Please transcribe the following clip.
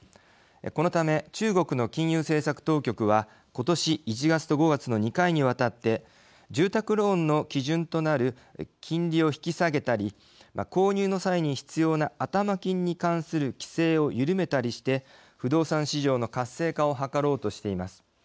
このため、中国の金融政策当局はことし１月と５月の２回にわたって住宅ローンの基準となる金利を引き下げたり購入の際に必要な頭金に関する規制を緩めたりして不動産市場の活性化を図ろうとしています。